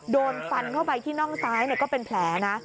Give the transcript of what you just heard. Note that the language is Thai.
โดนฟันเข้าไปที่น่องซ้ายก็เป็นแผลนะ